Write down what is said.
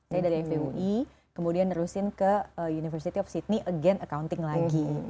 saya dari fui kemudian nerusin ke university of sydney again accounting lagi